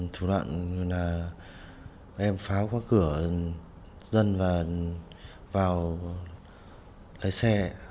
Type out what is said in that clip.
thủ đoạn là em phá qua cửa dân và vào lấy xe